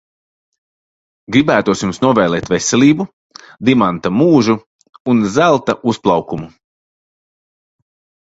Gribētos jums novēlēt veselību, dimanta mūžu un zelta uzplaukumu.